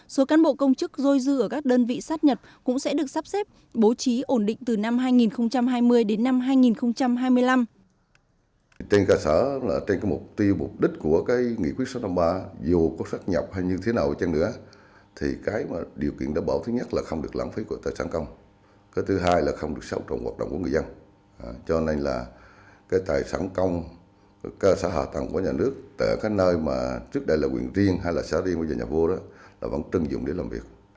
số cán bộ công chức dồi dư ở các đơn vị sắp nhập cũng sẽ được sắp xếp bố trí ổn định từ năm hai nghìn hai mươi đến năm hai nghìn hai mươi năm